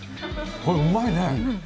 これ、うまいね。